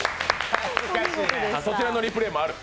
そちらのリプレイもある？